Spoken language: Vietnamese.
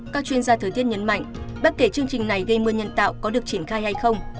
các chuyên gia thời tiết nhấn mạnh bất kể chương trình này gây mưa nhân tạo có được triển khai hay không